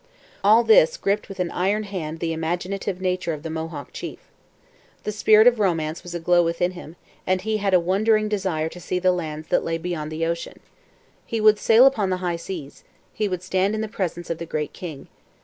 All this gripped as with an iron hand the imaginative nature of the Mohawk chief. The spirit of romance was aglow within him, and he had a wondering desire to see the lands that lay beyond the ocean. He would sail upon the high seas; he would stand in the presence of the Great King.